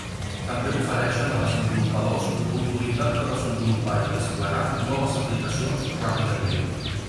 També ofereixen a desenvolupadors l'oportunitat de desenvolupar i desplegar noves aplicacions ràpidament.